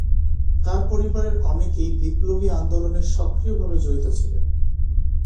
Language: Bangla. তার পরিবারের অনেকেই বিপ্লবী আন্দোলনে সক্রিয়ভাবে জড়িত ছিলেন।